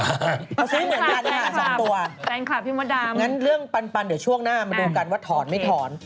เอาซิเหมือนกันนะคะ๒ตัวงั้นเรื่องปันเดี๋ยวช่วงหน้ามาดูกันว่าถอนไม่ถอน